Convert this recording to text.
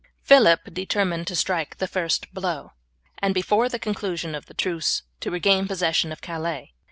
Phillip determined to strike the first blow, and, before the conclusion of the truce, to regain possession of Calais.